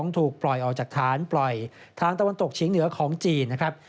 ถูกปล่อยออกจากฐานปล่อยทางตะวันตกเฉียงเหนือของจีนนะครับ